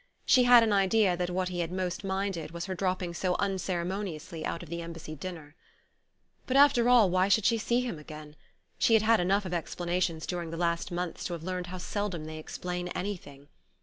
She had an idea that what he had most minded was her dropping so unceremoniously out of the Embassy Dinner. But, after all, why should she see him again? She had had enough of explanations during the last months to have learned how seldom they explain anything.